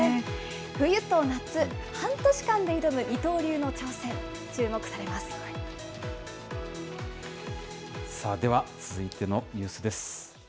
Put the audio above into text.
冬と夏、半年間で挑む二刀流の挑では続いてのニュースです。